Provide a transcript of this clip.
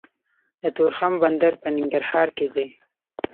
د تورخم بندر په ننګرهار کې دی